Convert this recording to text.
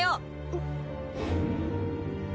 あっ。